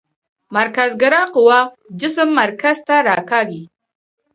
مرکزګرا قوه جسم مرکز ته راکاږي.